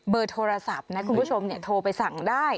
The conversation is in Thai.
เบอร์โทรศัพท์นะคุณผู้ชมเนี่ยโทรไปสั่งได้